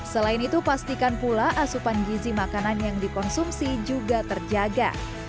selain itu pastikan pula asupan gizi makanan yang dikonsumsi juga terjaga